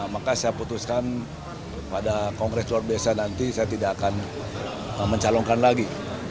maka saya putuskan pada kongres luar biasa nanti saya tidak akan mencalonkan lagi